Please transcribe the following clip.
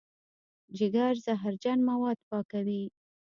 جګر زهرجن مواد پاکوي.